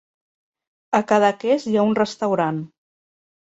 A Cadaqués hi ha un restaurant.